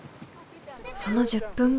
その１０分後。